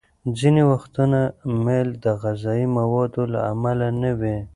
ځینې وختونه میل د غذايي موادو له امله نه وي.